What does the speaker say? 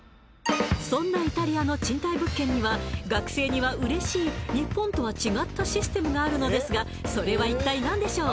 そんなイタリアの賃貸物件には学生には嬉しい日本とは違ったシステムがあるのですがそれは一体何でしょう？